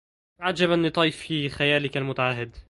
عجبا لطيف خيالك المتعاهد